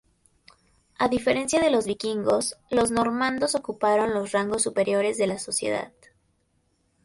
A diferencia de los vikingos, los normandos ocuparon los rangos superiores de la sociedad.